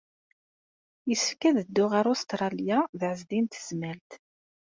Yessefk ad dduɣ ɣer Ustṛalya d Ɛezdin n Tezmalt.